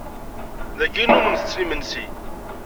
Dagi i nnumen tetttten imensi.